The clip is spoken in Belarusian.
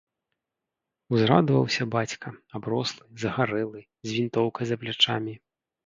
Узрадаваўся бацька, аброслы, загарэлы, з вінтоўкай за плячамі.